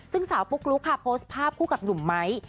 ซึ่งสาวปุ๊กลุ๊กค่ะโพสต์ภาพคู่กับหนุ่มไม้